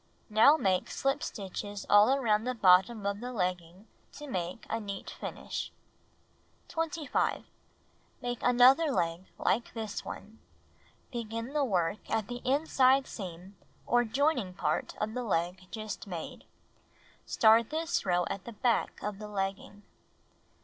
Now make slip stitches all around the bottom of the legging to make a neat finish. 25. Make another leg like this one. Begin the work at the inside seam or joining point of the leg just made. Start this row at the back of the legging.